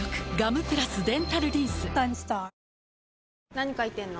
何書いてんの？